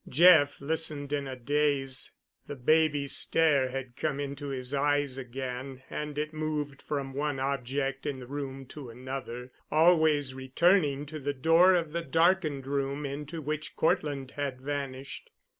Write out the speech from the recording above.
Jeff listened in a daze. The baby stare had come into his eyes again, and it moved from one object in the room to another—always returning to the door of the darkened room into which Cortland had vanished.